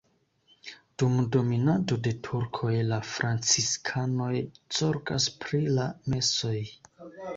Dum dominado de turkoj la franciskanoj zorgas pri la mesoj.